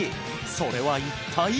それは一体？